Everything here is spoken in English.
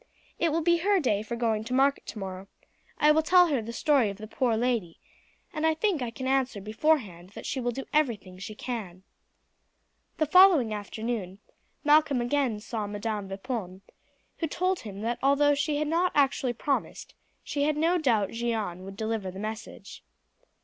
It will be her day for going to market tomorrow; I will tell her the story of the poor lady, and I think I can answer beforehand that she will do everything she can." The following afternoon Malcolm again saw Madam Vipon, who told him that although she had not actually promised she had no doubt Jeanne would deliver the message.